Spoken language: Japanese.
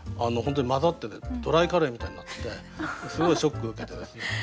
本当に混ざっててドライカレーみたいになっててすごいショックを受けてですね。